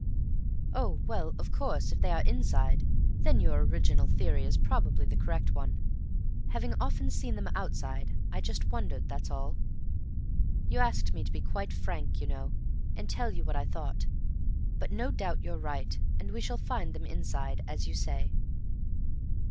"Oh, well, of course, if they are inside, then your original theory is probably the correct one. Having often seen them outside, I just wondered—that's all. You asked me to be quite frank, you know, and tell you what I thought. But no doubt you're right, and we shall find them inside, as you say.